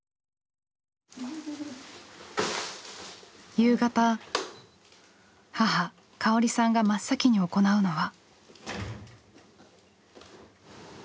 夕方母香織さんが真っ先に行うのは。